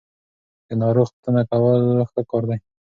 د ناروغ پوښتنه کول ښه کار دی.